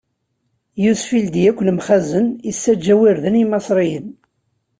Yusef ildi akk lemxazen, issaǧaw irden i Imaṣriyen.